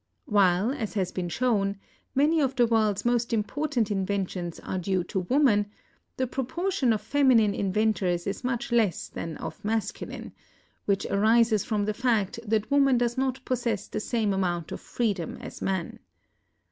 While, as has been shown, many of the world's most important inventions are due to woman, the proportion of feminine inventors is much less than of masculine, which arises from the fact that woman does not possess the same amount of freedom as man.